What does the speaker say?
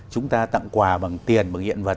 chúng ta tặng quà bằng tiền bằng hiện vật